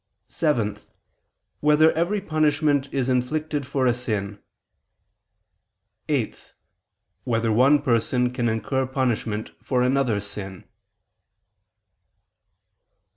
(7) Whether every punishment is inflicted for a sin? (8) Whether one person can incur punishment for another's sin?